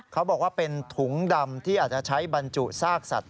เขาบอกว่าเป็นถุงดำที่อาจจะใช้บรรจุซากสัตว